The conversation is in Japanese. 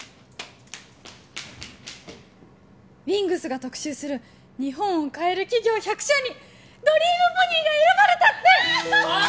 「ＷＩＮＧＳ」が特集する「日本を変える企業１００社」にドリームポニーが選ばれたってはあ？